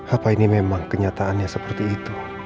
apa ini memang kenyataannya seperti itu